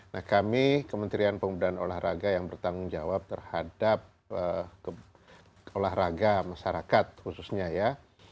nah kami kementerian pemuda dan olahraga yang bertanggung jawab terhadap olahraga masyarakat khususnya ya